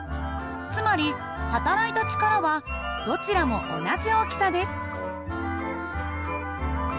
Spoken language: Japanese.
つまりはたらいた力はどちらも同じ大きさです。